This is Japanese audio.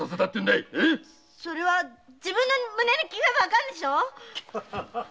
それは自分の胸に聞けばわかるでしょ！